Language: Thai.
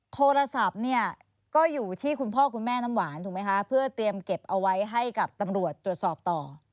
โทรศัพท์เนี่ยก็อยู่ที่คุณพ่อคุณแม่น้ำหวานถูกไหมคะเพื่อเตรียมเก็บเอาไว้ให้กับตำรวจตรวจสอบต่อ